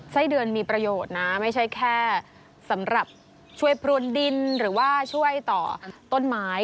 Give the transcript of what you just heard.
ไส้เดือนมีประโยชน์นะไม่ใช่แค่สำหรับช่วยพรวนดินหรือว่าช่วยต่อต้นไม้